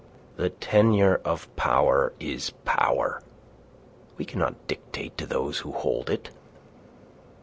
"The tenure of power is power. We cannot dictate to those who hold it."